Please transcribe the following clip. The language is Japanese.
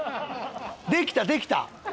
できたできた！